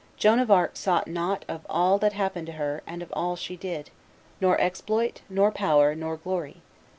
Joan of Arc sought nothing of all that happened to her and of all she did, nor exploit, nor power, nor glory.